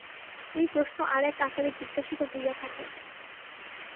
এই প্রশ্ন আর এক আকারে জিজ্ঞাসিত হইয়া থাকে।